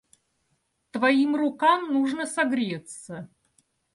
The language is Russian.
Твоим рукам нужно согреться.